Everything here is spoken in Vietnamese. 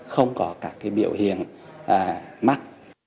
không có các biểu hiện mắc